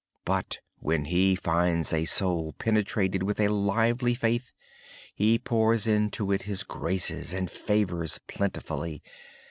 But when He finds a soul penetrated with a lively faith, He pours into it His graces and favors plentifully.